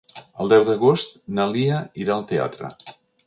El deu d'agost na Lia irà al teatre.